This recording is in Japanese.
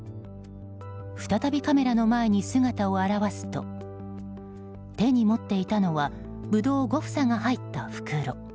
再びカメラの前に姿を現すと手に持っていたのはブドウ５房が入った袋。